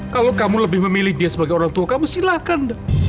kalau kamu lebih memilih dia sebagai orang tua kamu silakan